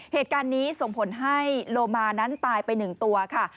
เหตุการณ์นี้ส่งผลให้โลมานั้นตายไป๑ตัวค่ะ